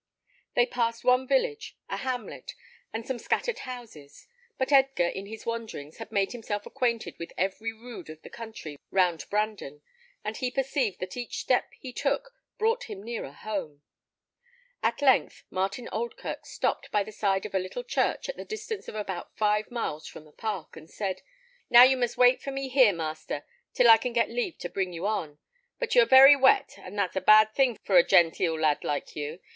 They passed one village, a hamlet, and some scattered houses; but Edgar, in his wanderings, had made himself acquainted with every rood of the country round Brandon, and he perceived that each step he took brought him nearer home. At length, Martin Oldkirk stopped by the side of a little church at the distance of about five miles from the park, and said, "Now you must wait here for me, master, till I can get leave to bring you on. But you are very wet, and that's a bad thing for a genteel lad like you.